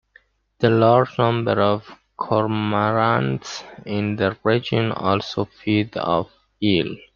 The large number of cormorants in the region also feed off eel.